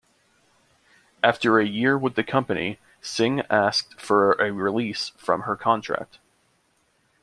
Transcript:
After a year with the company, Sing asked for a release from her contract.